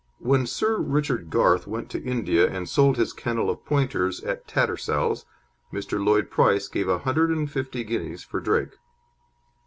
When Sir Richard Garth went to India and sold his kennel of Pointers at Tattersall's, Mr. Lloyd Price gave 150 guineas for Drake.